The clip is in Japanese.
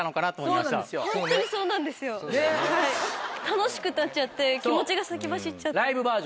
楽しくなっちゃって気持ちが先走っちゃった。